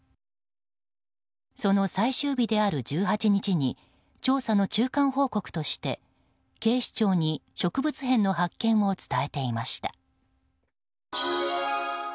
その最終日である１８日に調査の中間報告として警視庁に植物片の発見を伝えていました。